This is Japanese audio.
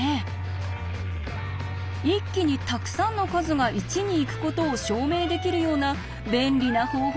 一気にたくさんの数が１に行くことを証明できるような便利な方法